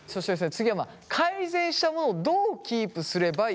次は改善したものをどうキープすればいいのかという。